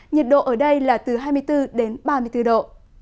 nhiệt độ ở đây là từ hai mươi bốn đến ba mươi bốn độ